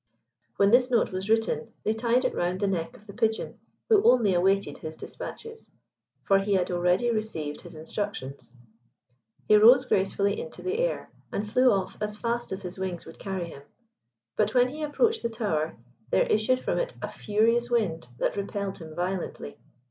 When this note was written, they tied it round the neck of the Pigeon, who only awaited his dispatches, for he had already received his instructions. He rose gracefully into the air, and flew off as fast as his wings would carry him; but when he approached the tower there issued from it a furious wind that repelled him violently.